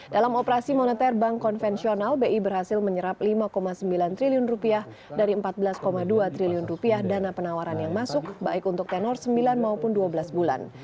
dalam operasi moneter bank konvensional bi berhasil menyerap rp lima sembilan triliun dari rp empat belas dua triliun dana penawaran yang masuk baik untuk tenor sembilan maupun dua belas bulan